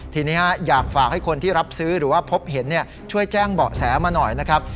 ทีนี้อยากฝากให้คนที่รับซื้อหรือว่าพบเห็นช่วยแจ้งเบาะแสมาหน่อยนะครับ